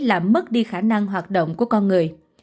làm mất đi khả năng hoạt động của con người